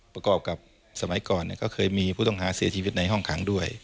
ประกอบกับสมัยก่อนก็เคยมีผู้ต้องหาเสียชีวิตในห้องขังด้วย